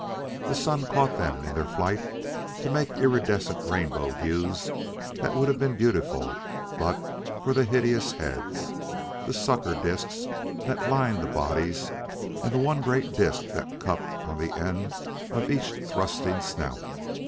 The sun caught them in their flight to make iridescent rainbow hues that would have been beautiful but for the hideous heads, the sucker discs that lined the bodies and the one great disc that cupped on the end of each thrusting snout.